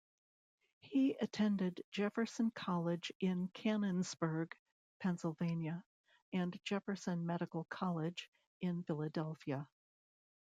He attended Jefferson College in Canonsburg, Pennsylvania, and Jefferson Medical College in Philadelphia.